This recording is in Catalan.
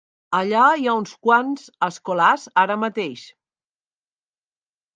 Allà hi ha uns quants escolars ara mateix.